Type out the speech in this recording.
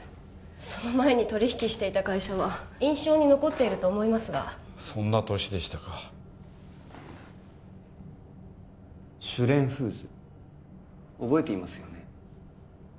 その前に取引していた会社は印象に残っていると思いますがそんな年でしたか朱蓮フーズ覚えていますよね？